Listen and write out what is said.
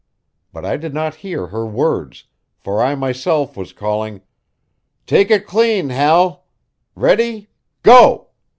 But I did not hear her words, for I myself was calling: "Take it clean, Hal. Ready go!"